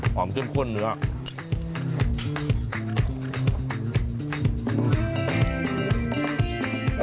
หอมจิ้นข้นเนื้อ